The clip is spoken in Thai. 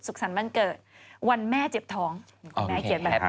สุขสันต์วันเกิดวันแม่เจ็บท้อง